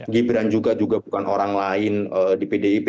gibran juga bukan orang lain di pdip